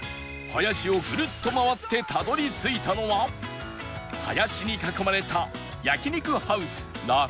林をぐるっと回ってたどり着いたのは林に囲まれた